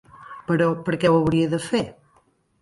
Però, per què ho hauria de fer?